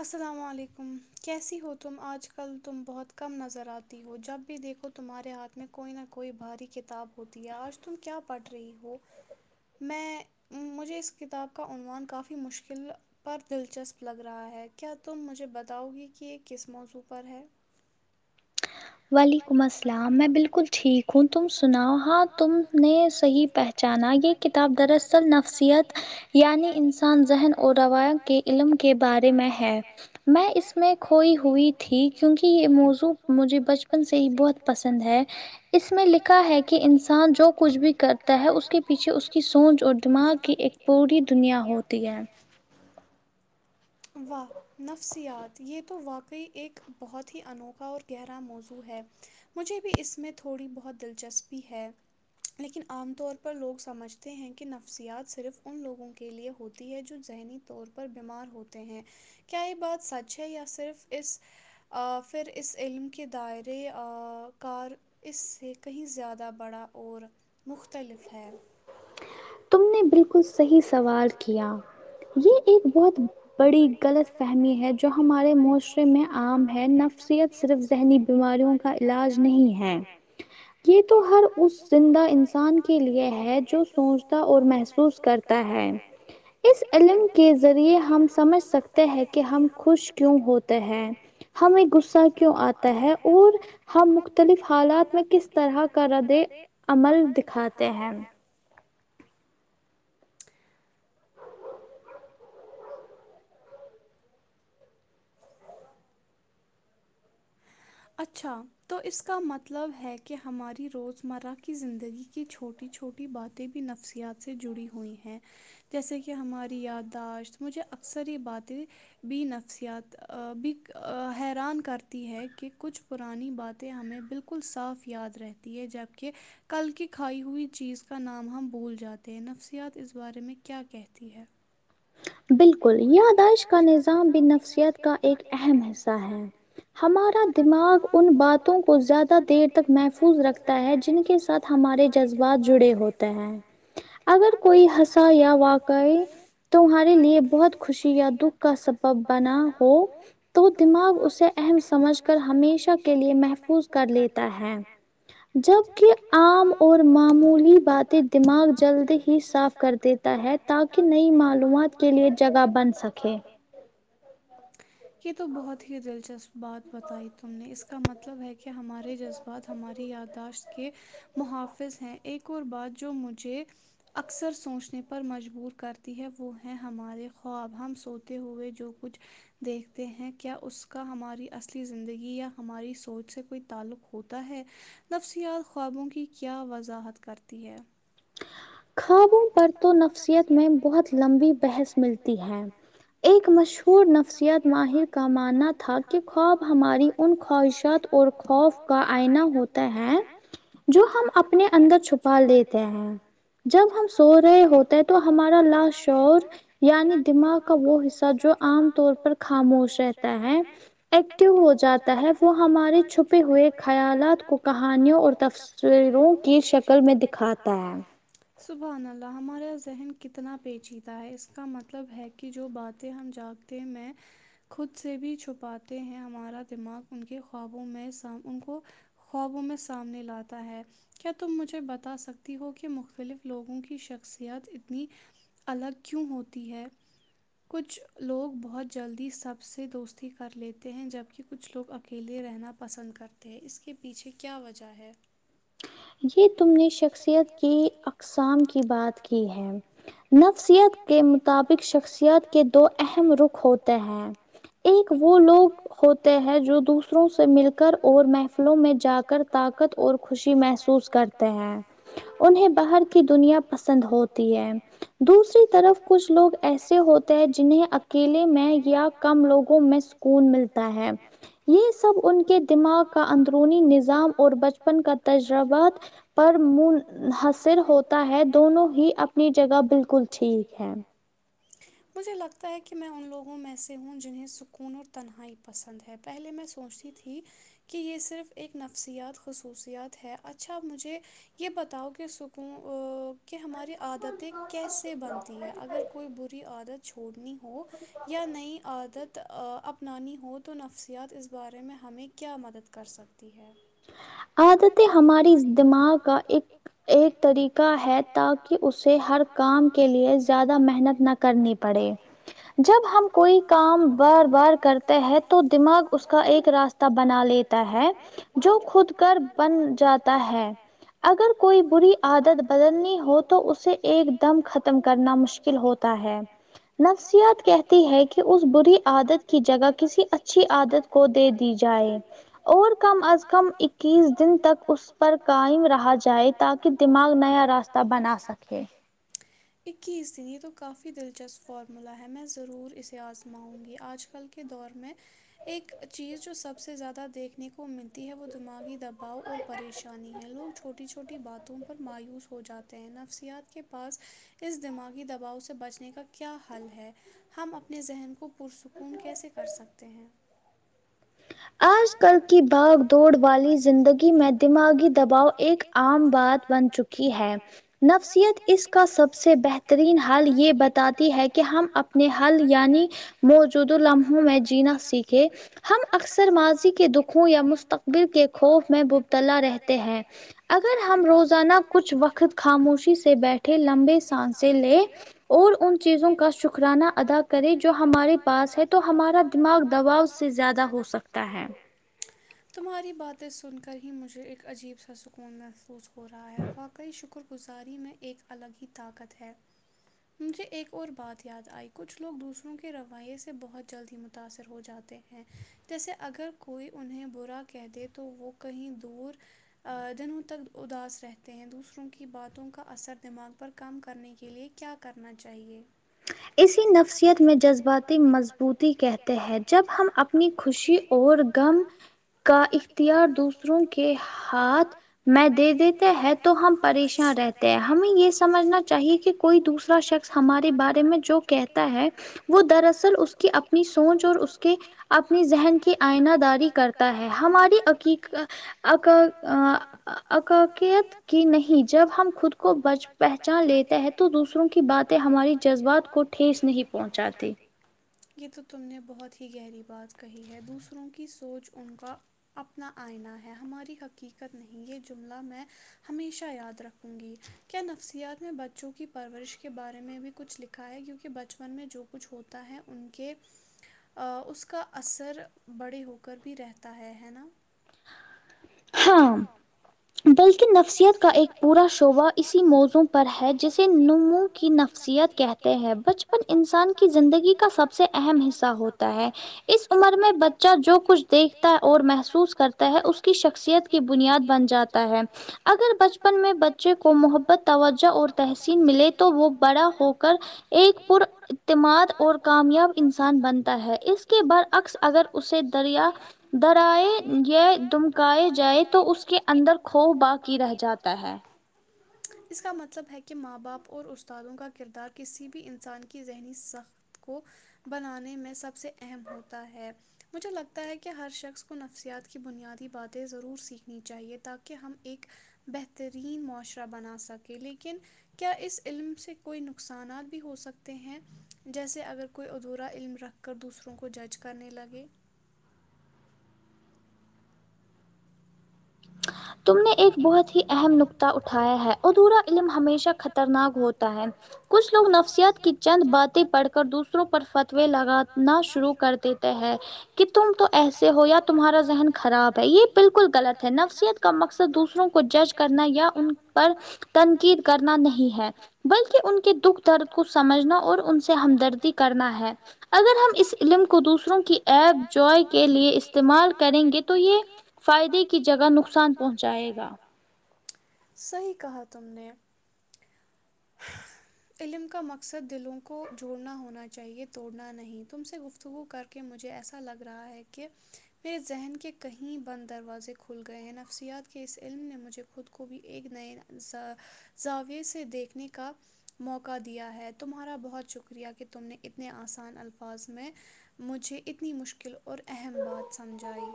السلام علیکم کیسی ہو تم آج کل تم بہت کم نظر آتی ہو جب بھی دیکھو تمہارے ہاتھ میں کوئی نہ کوئی بھاری کتاب ہوتی ہے آج تم کیا پڑھ رہی ہو میں مجھے اس کتاب کا عنوان کافی مشکل پر دلچسپ لگ رہا ہے کیا تم مجھے بتاؤ گی کہ یہ کس موضوع پر ہے وعلیکم السلام میں بالکل ٹھیک ہوں تم سناؤ ہاں تم نے صحیح پہ چانا یہ کتاب دراصل نفسیات یعنی انسان ذہن اور روایہ کے علم کے بارے میں ہے میں اس میں کھوئی ہوئی تھی کیونکہ یہ موضوع مجھے بچ پن سے ہی بہت پسند ہے اس میں لکھا ہے کہ انسان جو کچھ بھی کر تا ہے اس کے پیچھے اس کی سوچ اور دماغ کی ایک پوری دنیا ہوتی ہے واہ نفسیات یہ تو واقعی ایک بہت ہی انوکھا اور گہرا موضوع ہے مجھے بھی اس میں تھوڑی بہت دلچسپی ہے لیکن عام طور پر لوگ سمجھتے ہیں کہ نفسیات صرف ان لوگوں کے لیے ہوتی ہے جو ذہنی طور پر بیمار ہوتے ہیں کیا یہ بات سچ ہے یا صرف اس ا پھر اس علم کے دائرے ا کار اس سے کہیں زیادہ بڑا اور مختلف ہے تم نے بالکل صحیح سوال کیا یہ ایک بہت بڑی غلط فہمی ہے جو ہمارے معاشرے میں عام ہے نفس یات صرف ذہنی بیماریوں کا علاج نہیں ہے یہ تو ہر اس زندہ انسان کے لیے ہے جو تا اور محسوس کرتا ہے اس علم کے ذریعے ہم سمجھ سک تے ہے کہ ہم خوش کیوں ہوتے ہیں ہمیں غصہ کیوں آتا ہے اور ہم مختلف حالات میں کس طرح کا رد عمل دکھاتے ہیں اچھا تو اس کا مطلب ہے کہ ہماری روزمرہ کی زندگی کی چھوٹی چھوٹی باتیں بھی نفسیات سے جڑی ہوئی ہیں جیسے کہ ہماری یادداشت مجھے اکثر یہ باتیں بی نفسیات آ بھی حیران کرتے تی ہے کہ کچھ پرانی باتیں ہمیں بالکل صاف یاد رہتی ہے جبکہ کل کی کھائی ہوئی چیز کا نام ہم بھول جاتے ہیں نفسیات اس بارے میں کیا کہتی ہے بالکل یا آدائش کا نظام بھی نفسیت کا ایک اہم حصہ ہے ہمارا دماغ ان باتوں کو زیادہ دیر تک محفوظ رکھتا ہے جن کے ساتھ ہمارے جذبات جڑے ہوتے ہیں اگر کوئی ہسا یا وقع تمھارے لیے بہت خوشی یا دکھ کا سبب بنا ہو تو دماغ اسے سے اہم سمجھ کر ہمیشہ کے لیے محفوظ کر لیتا ہے جبکہ عام اور معمولی باتیں دماغ جلد ہی صاف کرتے ت ہے تاکہ نئی معلومات کے لیے جگہ بن سکے یہ تو بہت ہی دلچسپ بات بتائی تم نے اس کا مطلب ہے کہ ہمارے جذبہ ہماری یادداشت کے محافظ ہیں ایک اور بات جو مجھے اکثر سوچنے پر مجبور کرتی ہے وہ ہیں ہمارے خواب ہم سوتے ہوئے جو کچھ دیکھتے ہیں کیا اس کا ہماری اصلی زندگی یا ہماری سوچ سے کوئی تعلق ہو ہوتا ہے نفسیات خوابوں کی کیا وضاحت کرتی ہے خوابوں پر تو نفسیت میں بہت لمبی بحث ملتی ہے ایک مشہور نفسیات ماہر کا ماننا تھا کہ خواب ہماری ان خواہشات اور خوف کا آئنا ہوتا ہے جو ہم اپنے اندر چھپ پا لیتے ہے جب ہم سو رہے ہوتے ہیں تو ہمارا لا شور یعنی دماغ کا وہ حصہ جو جوہ عام طور پر خاموش رہتا ہے ایکٹو ہو جاتا ہے وہ ہماری چھپے ہوئے خیالات کو کہانیوں اور تصویروں کی شکل میں دکھاتا ہے سبحان اللہ ہمارا ذہن کتنا پیچیدہ ہے اس کا مطلب ہے کہ جو باتیں ہم جا ت میں خود سے بھی چھپاتے ہیں ہمارا دماغ ان کے خوابوں میں سا ان کو خوابوں میں سامنے لاتا ہے کیا تم مجھے بتا سکتی ہو کہ مختلف لوگوں کی شخصییات اتنی الگ کیوں ہوتی ہے کچھ لوگ بہت جلدی سب سے دوستی کر لیتے ہیں جبک کچھ لوگ اکیلے رہنا پسند کرتے ہیں اس کے پیچھے کیا وجہ ہے یہ تم نے شخصیت کی اقسام کی بات کی ہے نفسیات کے مطابق شخصیات کے دو اہم رخ ہوتے ہیں ایک وہ لوگ ہوتے ہیں جو دوسروں سے مل کر اور محفلوں میں جا کر طاقت اور خوشی محسوس کرتے ہیں انہیں باہر کے کی دنیا پسند ہوتی ہے دوسری طرف کچھ لوگ ایسے ہوتے ہیں جنہیں کیلے میں یا کم لوگوں میں سکون ملتا ہے یہ سب ان کے دماغ کا اندرونی نظام اور بچپن کا تجہ حرآباد پر منحسین ہوتا ہے دونوں ہی اپنی جگہ بالکل ٹھیک ہے مجھے لگتا ہے کی میں ان لوگوں میں ایسے ہوں جنہیں سکون اور تنہائی پسند ہے پہلے میں سوچتی تھی کہ یے صرف ایک نفسیات خصوصیات ہے اچھا مجھے یے بتاؤ کہ سک کہ ہماری عادتیں کیسے بنتی ہے اگر کوئی بری عادت چھوڑنی ہو یا نئی عادت اپنانی ہو تو نفسیات اس بارے میں ہمیں کیا مدد کر سکتی ہے عادتیں ہماری دماغ کا ایک ایک طریقہ ہے تاکی اسے ہر کام کے لیے زیادہ محنت نہ کرنی پڑے جب ہم کوئی کام بار بار کرتے ہیں تو دماغ اس کا ایک راستہ بنا لیتا ہے جو خود کر بن جاتا ہے اگر کوئی بری عادت بدلنی ہو تو اسے ایک دم ختم کرنا مشکل ہوتا ہوتا ہے نفسیات کہتی ہے کی اس بری عادت کی جگہ کسی اچھی عادت کو دے دی جائے اور کم از کم کم ایک تین دن تک اس پر قائم رہا جائے تاکی دماغ نیا راستہ بنا سکے اکیس دن یے تو کافی دلچسپ فارمولہ ہے میں ضرور اسے آزماؤں گی آج کے دور میں ایک چیز جو سب سے زیادہ دیکھنے کو ملتی ہے وہ دماغی دبا دباؤ اور پریشانی ہے لوگ چھوٹی چھوٹی باتوں پر مایوس ہو جاتے ہیں نفسیات کے پاس اس دماغی دباؤ سے بچنے کا کیا حل ہے ہم اپنے ذہن کو پرسکون کیسے کر سکتے ہیں آج کل کی بھاگ دوڑ والی زندگی گی میں دماغی دباؤ ایک عام بات بن چکی ہے نفسیات اس کا سب سے سب سے بہترین حل یے بتاتی ہے کہ ہم اپنے حل یعنی موجودوں لمحوں میں جینا سیکھے ہم اکثر ماضی کے دکھوں یا مستقبل کے خوف میں مبتلا رہتے ہیں اگر ہم روزانہ کچھ وقت خاموشی سے بیٹھے ٹھے لمبے سانسے لے اور ان چیزوں کا شکرانہ ادا کریں جو ہمارے پاس ہے تو تو ہمارا دماغ دباؤ سے زیادہ ہو سکتا ہو سکتا ہے تمہاری بات سن کر ہی مجھے ایک عجیب سا سکون محسوس ہو رہا ہے واقعی شکر گزاری میں ایک الگ ہی طاقت ہے مجھے ایک اور بات یاد آئی کچھ لوگ دوسروں کے رویے سے بہت جلدی متاثر ہو جاتے ہیں جیسے اگر کوئی انہیں برا کہہ دے تو تو وہ کہی دور آ دنوں تک اداس رہتے ہیں دوسروں کی باتوں کا اثر دماغ پر کم کرنے کے لے کیا کرنا چاہیے اسی نفسیت میں جذباتی مضبوطی کہتے ہیں جب ہم اپنے نی خوشی اور غم کا اختیار دوسروں کے ہاتھ میں دے دیتے ہیں تو ہم پریشان رہتے ہمیں یے سمجھنا چاہیے کہ کوئی دوسرا شخص ہمارے بات میں جو کہتا ہے وہ دراصل اس کی اپنی سوچ اور اس کے اپنی ذہن کی آئنہ داری کرتا ہے ہماری حقیق ایکا عکاقیت کی نہیں جب ہم خود کو بچ پہچان لیتا ہے تو دوسروں کی باتیں ہماری جذبات کو ٹھیس نہیں پہنچاتی یہ تو تم نے بہت ہی گہری بات کہی ہے دوسروں کی سوچ ان کا اتنا آئینہ ہے ہماری حقیقت نہیں یہ جملہ میں ہمیشہ یاد رکھوں گی کیا نفسیات میں بچوں کی پرورش کے بارے میں بھی کچھ لکھا ہے کیونکی بچپن میں جو کچھ ہوتا ہے ان کے آ اس کا اثر بڑے ہو کر بھی رہتا ہے ہے نا ہاں بلکہ نفسیت کا ایک پورا شعبہ اسی موضوع پر ہے جسے نموں کی نفسیت کہتے ہیں بچپن انسان کی زندگی کا سب سے اہم حصہ ہوتا ہے اس عمر میں بچہ جو کچھ دیکھتا ہے اور محسوس کرتا ہے اس کی شخصیت کی بنیاد بن جاتا ہے اگر بچپن میں بچے کو محبت توجہ اور تحسین ملے تو وہ بڑا ہوکر ایک پر اعتماد اور کامیاب انسان بنتا ہے اس کے برعکس اگر اسے دریا درائے یہ دم کائے جائے تو اس کے اندر خو باقی رہ جاتا ہے اس کا مطلب ہے کہ ماں باپ اور استادوں کا کردار کسی بھی انسان کی ذہنی سخت کو بنانے میں سب سے اہم ہوتا ہے مجھے لگتا ہے کہ ہر شخص کو نفسیات کی بنیادی باتیں ضرور سیکھنی چاہیے تاکہ ہم ایک بہترین معاشرہ بنا سکے لیکن کیا اس علم سے کوئی نقصانات بھی ہو سکتے ہیں جیسے اگر کوئی ادھورا علم رکھ کر دوسروں کو جج کرنے لگے تم نے ایک بہت ہی اہم نقطہ اٹھایا ہے ادھورا علم ہمیشہ خطرناک ہوتا ہے کچھ لوگ نفسیات کی چند باتیں پڑھ کر دوسروں پر فتوی لگانا شروع کرتے تھے ہے کہ تم تو ایسے ہو یا تمہارا ذہن خراب ہے یہ بالکل غلط ہے نفسیات کا مقصد دوسروں کو جج کرنا یا ان پر تنقید کرنا نہیں ہے بلکہ ان کے دکھ درد کو سمجھنا اور ان سے ہمدردی کرنا ہے اگر ہم اس علم کو دوسروں کی ایب جوائے کے لیے استعمال کریں گے تو یہ فائدے کی جگہ نقصان پہنچ صحیح کہا تم نے علم کا مقصد دلوں کو جوڑنا ہونا چاہیے توڑنا نہیں تم سے گفتگو کر کہ مجھے ایسا لگ رہا ہے کہ میرے ذہن کے کہیں بند دروازے کھل گئے ہیں نفسیات اس علم نے مجھے خود کو بھی ایک نئے زاوے سے دیکھنے کا موقع دیا ہے تمہارا بہت شکریہ کہ تم نے اتنے آسان الفاظ میں مجھے اتنی مشکل اور اہم بات سمجھائی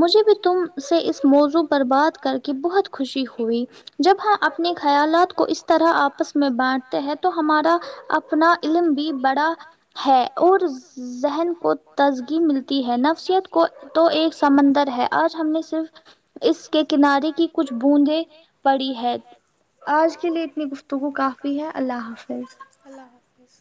مجھے بھی تم سے اس م موضوع پر بات کر کے بہت خوشی ہوئی جب ہم اپنے خیالات کو اس طرح آپس میں میں بانٹتے ہیں تو ہمارا اپنا علم بھی بڑا ہے اور ذہن کو تزگی ملتی ہے نفسیت کو تو ایک سمندر ہے آج ہم نے صرف اس کے کنارے کی کچھ بوندیں پڑی ہے آج کے لیے اتنی گفتگو کافی ہے اللہ حافظ اللہ حافظ